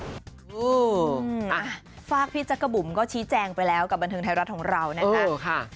ฝากพี่จักรบุ๋มก็ชี้แจงไปแล้วกับบันเทิงไทยรัฐของเรานะคะ